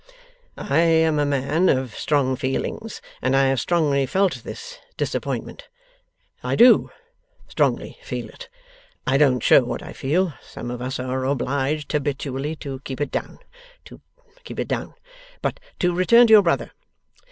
'I am a man of strong feelings, and I have strongly felt this disappointment. I do strongly feel it. I don't show what I feel; some of us are obliged habitually to keep it down. To keep it down. But to return to your brother.